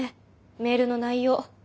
メールの内容。